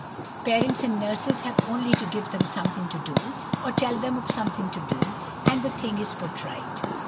Parents and nurses have only to give them something to do, or tell them of something to do, and the thing is put right.